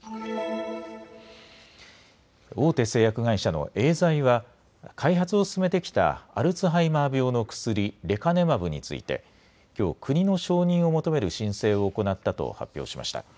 大手製薬会社のエーザイは開発を進めてきたアルツハイマー病の薬、レカネマブについてきょう国の承認を求める申請を行ったと発表しました。